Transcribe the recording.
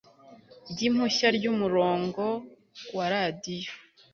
ry impushya ry umurongo wa radiyo